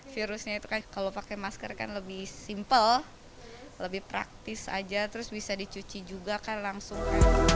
virusnya itu kan kalau pakai masker kan lebih simple lebih praktis aja terus bisa dicuci juga kan langsung